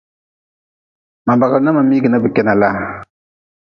Ma bagili na ma migi na bi kena laa.